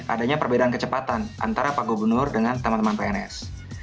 adanya perbedaan kecepatan antara pak gubernur dengan teman teman pns